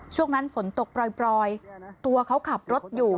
ช่วงนั้นฝนตกปล่อยตัวเขาขับรถอยู่